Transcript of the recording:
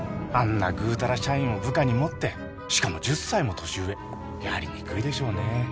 あんなぐうたら社員を部下に持ってしかも１０歳も年上やりにくいでしょうね